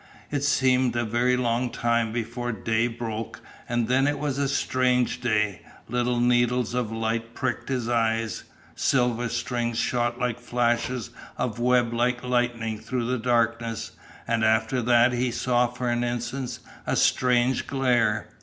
It seemed a very long time before day broke, and then it was a strange day. Little needles of light pricked his eyes; silver strings shot like flashes of weblike lightning through the darkness, and after that he saw for an instant a strange glare.